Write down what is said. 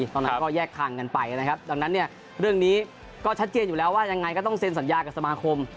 ตอนนั้นก็แยกทางกันไปนะครับดังนั้นเนี่ยเรื่องนี้ก็ชัดเจนอยู่แล้วว่ายังไงก็ต้องเซ็นสัญญากับสมาคม